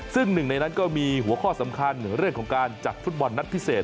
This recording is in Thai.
ซึ่งหนึ่งในนั้นก็มีหัวข้อสำคัญเรื่องของการจัดฟุตบอลนัดพิเศษ